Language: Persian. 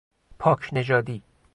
پاک نژادی